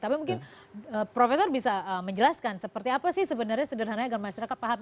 tapi mungkin profesor bisa menjelaskan seperti apa sih sebenarnya sederhananya agar masyarakat paham